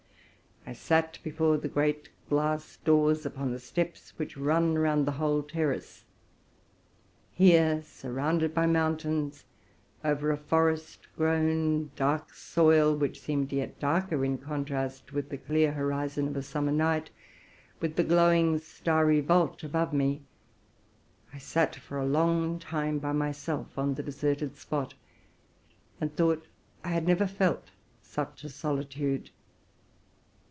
I sat before the great glass doors upon the steps which run around the whole terrace. Here, surrounded by mountains, over a forest grown, dark soil, which seemed yet darker in contrast with the clear horizon of a summer night, with the glowing, starry vault above me, I sat for a long time by myself on the deserted spot, and thought I never had felt such a solitude.